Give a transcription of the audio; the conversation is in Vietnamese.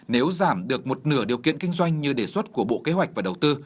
nếu giảm được một nửa điều kiện kinh doanh như đề xuất của bộ kế hoạch và đầu tư